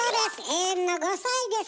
永遠の５さいです。